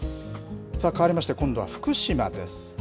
かわりまして、今度は福島です。